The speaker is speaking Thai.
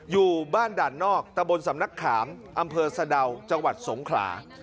อยู่บ้านด่านนอกตะบนสำนักขามอำเภอสะดาวจังหวัดสงขลา